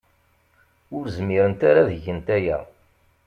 Ur zmiren ad gent aya.